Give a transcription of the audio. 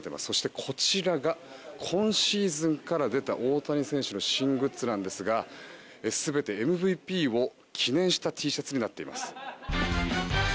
そして、こちらが今シーズンから出た大谷選手の新グッズなんですが全てＭＶＰを記念したＴシャツになっています。